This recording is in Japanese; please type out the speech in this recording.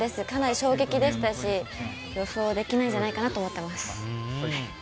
かなり衝撃でしたし予想できないんじゃないかなと思っています。